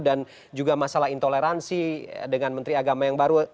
dan juga masalah intoleransi dengan menteri agama yang baru